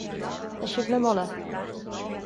Tá sibh le moladh.